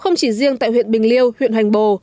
không chỉ riêng tại huyện bình liêu huyện hoành bồ